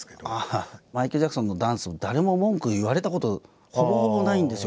マイケル・ジャクソンのダンスを誰も文句言われたことほぼほぼないんですよ